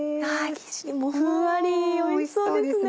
生地もふんわりおいしそうですね。